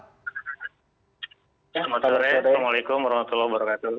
selamat sore assalamualaikum wr wb